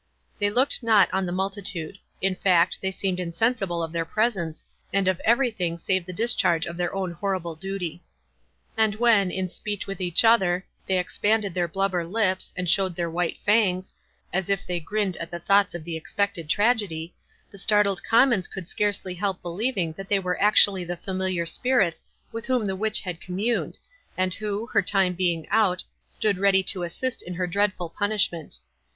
They looked not on the multitude. In fact, they seemed insensible of their presence, and of every thing save the discharge of their own horrible duty. And when, in speech with each other, they expanded their blubber lips, and showed their white fangs, as if they grinned at the thoughts of the expected tragedy, the startled commons could scarcely help believing that they were actually the familiar spirits with whom the witch had communed, and who, her time being out, stood ready to assist in her dreadful punishment.